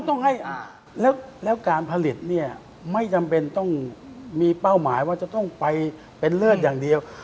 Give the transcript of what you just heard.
ต้องให้แล้วการผลิตเนี่ยไม่จำเป็นต้องมีเป้าหมายว่าจะต้องไปเป็นเลิศอย่างเดียว